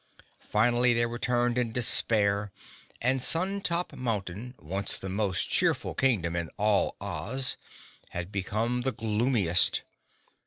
Finally they returned in despair and Sun Top Mountain, once the most cheerful Kingdom in all Oz, had become the gloomiest.